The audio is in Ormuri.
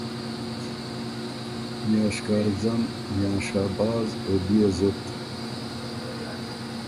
میاں شکارځن، میاں شهباز، او بيې زُت۔